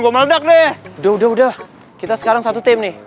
boy bajuaney uang itu